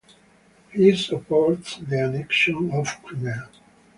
He supports the annexation of Crimea.